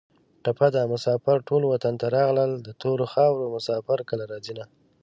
ټپه ده: مسافر ټول وطن ته راغلل د تورو خارو مسافر کله راځینه